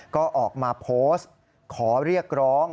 ก็ออกมาโพสต์ขอเรียกร้อง